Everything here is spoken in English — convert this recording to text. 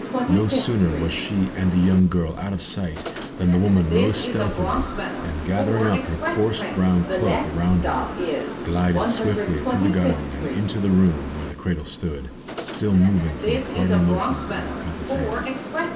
No sooner was she and the young girl out of sight than the woman rose stealthily, and gathering up her coarse brown cloak around her, glided swiftly through the garden and into the room where the cradle stood, still moving from the parting motion of Macata's hand.